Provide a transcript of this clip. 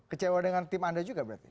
kecewa dengan tim anda juga berarti